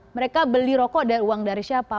mereka beli rokok dari uang dari siapa